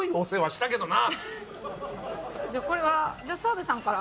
これはじゃあ澤部さんから。